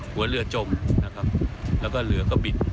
หัวเรือจมแล้วก็เรือก็บิด